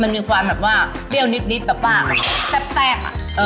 มันมีความแปรปี้เยี่ยวนิดแปปแซ่บแตกอ่ะ